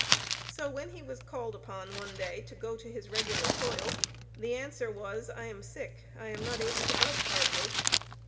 So when he was called upon one day to go to his regular toil, the answer was, "I am sick, I am not able to budge hardly."